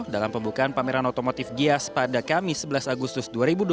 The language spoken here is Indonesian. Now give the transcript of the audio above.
dalam pembukaan pameran otomotif gias pada kamis sebelas agustus dua ribu dua puluh